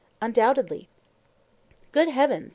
Undoubtedly. Good heavens!